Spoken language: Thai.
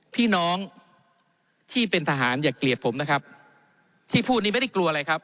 พี่น้องที่เป็นทหารอย่าเกลียดผมนะครับที่พูดนี้ไม่ได้กลัวอะไรครับ